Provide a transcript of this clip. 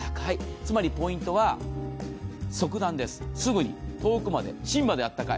つまりポイントは速暖です、すぐに遠くまで、芯まで暖かい。